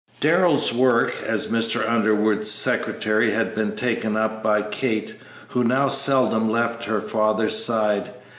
Darrell's work as Mr. Underwood's secretary had been taken up by Kate, who now seldom left her father's side.